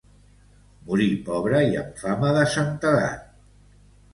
Morí pobre i amb fama de santedat.